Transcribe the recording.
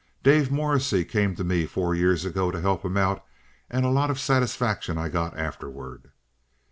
"Dave Morrissey came to me four years ago to help him out, and a lot of satisfaction I got afterward."